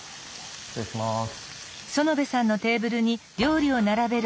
失礼します。